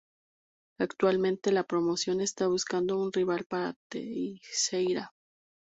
Actualmente, la promoción está buscando un rival para Teixeira.